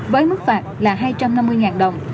với mức phạt là hai trăm năm mươi đồng